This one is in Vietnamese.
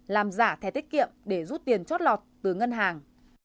làm giả thẻ tiết kiệm để rút tiền trót lọt từ ngân hàng